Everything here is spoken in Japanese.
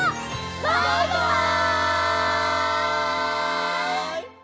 バイバイ！